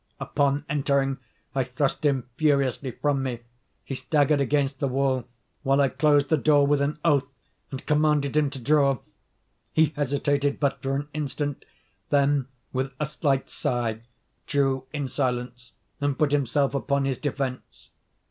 Upon entering, I thrust him furiously from me. He staggered against the wall, while I closed the door with an oath, and commanded him to draw. He hesitated but for an instant; then, with a slight sigh, drew in silence, and put himself upon his defence.